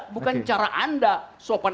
bukan cara anda sopan